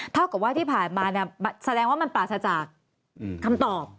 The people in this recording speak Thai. เท่ากับว่าที่ผ่านมาแสดงว่ามันปราศจากคำตอบ